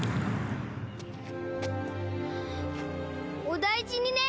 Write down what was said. お大事にね！